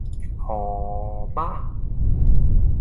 何~~~媽